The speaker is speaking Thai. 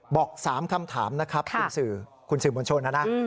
บอก๓คำถามนะครับคุณสื่อคุณสื่อมวลชนนะนะ